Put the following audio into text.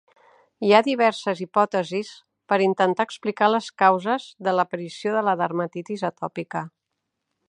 Hi ha diverses hipòtesis per intentar explicar les causes de l'aparició de la dermatitis atòpica.